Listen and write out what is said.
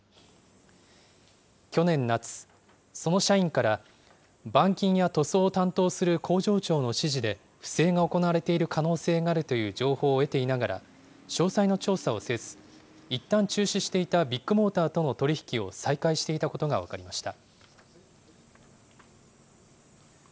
去年夏、その社員から、板金や塗装を担当する工場長の指示で不正が行われている可能性があるという情報を得ていながら、詳細な調査をせず、いったん中止していたビッグモーターとの取り引きを再開していたことが分かりました。